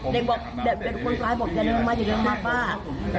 เด็กบอกเด็กบนซ้ายบอกอย่าเดินมาอย่าเดินมาป้า